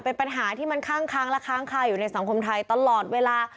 เป็นปัญหาที่มันข้างและค้างคาอยู่ในสังคมไทยตลอดเวลา